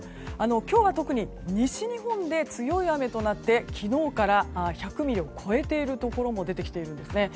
今日は特に西日本で強い雨となって昨日から１００ｍｍを超えているところも出てきているんですね。